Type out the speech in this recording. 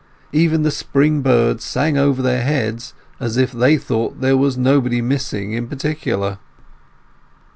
Even the spring birds sang over their heads as if they thought there was nobody missing in particular.